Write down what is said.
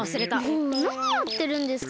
もうなにやってるんですか！